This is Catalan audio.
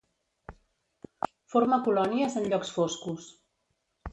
Forma colònies en llocs foscos.